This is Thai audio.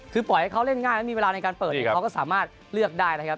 คือปล่อยให้เขาเล่นง่ายแล้วมีเวลาในการเปิดเขาก็สามารถเลือกได้นะครับ